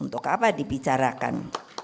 untuk apa dibicarakan